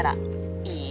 いい？